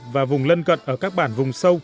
và vùng lân cận ở các bản vùng sâu